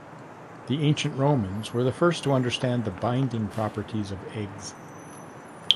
The Ancient Romans were the first to understand the binding properties of eggs.